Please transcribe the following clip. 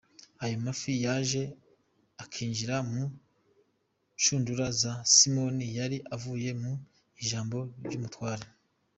Ayo mafi yaje akinjira mu nshundura za Simoni yari avuye mu ijambo ry’Umutware.